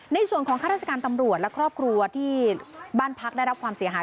ในส่วนของข้าราชการตำรวจและครอบครัวที่บ้านพักได้รับความเสียหาย